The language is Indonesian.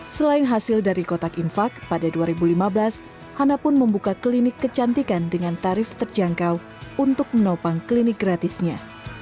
selain hasil dari kotak infak pada dua ribu lima belas hana pun membuka klinik kecantikan dengan tarif terjangkau untuk menopang klinik gratisnya